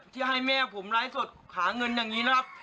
ที่ให้แม่ผมไลฟ์สดหาเงินอย่างนี้นะครับ